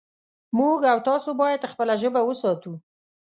موږ او تاسې باید خپله ژبه وساتو